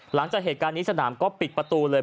หลังจากเหตุการณ์นี้สนามก็ปิดประตูเลย